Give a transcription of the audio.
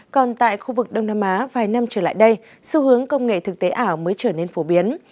còn tại khu vực đông nam á vài năm trở lại đây xu hướng công nghệ thực tế ảo mới trở nên phổ biến